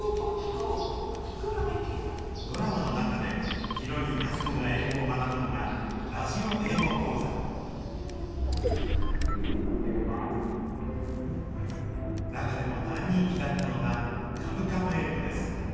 ドラマの中でヒロイン安子が英語を学ぶのがラジオ英語講座中でも大人気だったのが「カムカム英語」です。